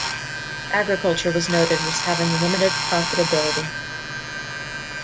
Agriculture was noted as having limited profitability.